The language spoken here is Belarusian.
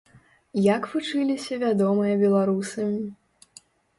Як вучыліся вядомыя беларусы?